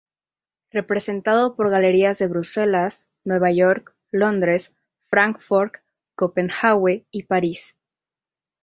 Representado por galerías de Bruselas, Nueva York, Londres, Frankfurt, Copenhague y París.